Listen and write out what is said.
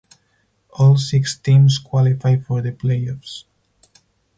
All six teams qualify for the playoffs.